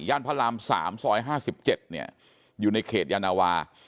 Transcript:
ย่านพระรามสามซอยห้าสิบเจ็ดเนี้ยอยู่ในเขตยานวา